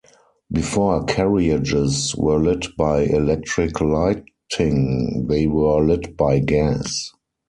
Before carriages were lit by electric lighting they were lit by gas.